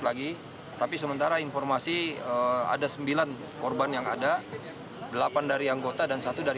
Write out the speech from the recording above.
lagi tapi sementara informasi ada sembilan korban yang ada delapan dari anggota dan satu dari